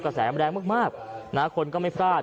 กระแสมันแรงมากนะครับคนก็ไม่พลาด